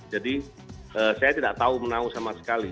jadi saya tidak tahu menau sama sekali